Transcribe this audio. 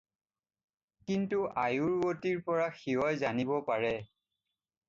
কিন্তু আয়ুৰ্ৱতীৰ পৰা শিৱই জানিব পাৰে।